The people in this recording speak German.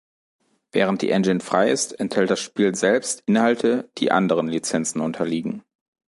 Während die Engine frei ist, enthält das Spiel selbst Inhalte, die anderen Lizenzen unterliegen.